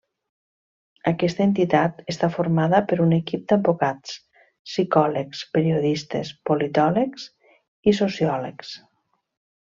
Aquesta entitat està formada per un equip d'advocats, psicòlegs, periodistes, politòlegs i sociòlegs.